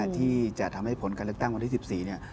ที่จะทำให้ผลการเลือกตั้งวันที่๑๔เนี่ย